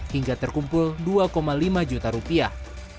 hingga terkumpul dua lima juta rupiah